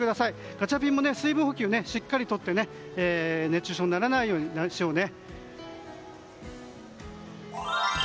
ガチャピンも水分補給をしっかりとって熱中症にならないようにしようね。